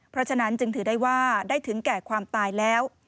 เพราะฉะนั้นจึงถือได้ว่าได้ถึงแก่ความตายแล้ว